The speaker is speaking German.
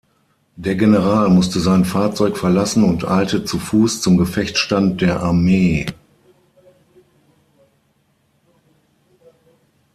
Der General musste sein Fahrzeug verlassen und eilte zu Fuß zum Gefechtsstand der Armee.